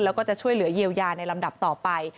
แล้วก็จะช่วยเหลือเยียวยาในลำดับต่อไป